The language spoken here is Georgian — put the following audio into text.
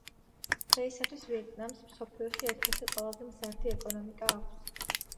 დღეისათვის ვიეტნამს მსოფლიოში ერთ-ერთი ყველაზე მზარდი ეკონომიკა აქვს.